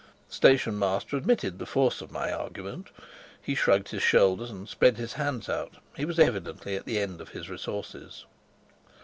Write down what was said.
The station master admitted the force of my argument; he shrugged his shoulders and spread his hands out; he was evidently at the end of his resources.